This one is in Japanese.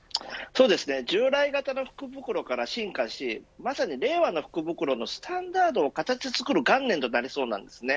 従来型の福袋から進化しまさに令和の福袋のスタンダードを作る元年となりそうなんです。